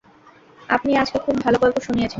আপনি আজকে খুব ভাল গল্প শুনিয়েছেন।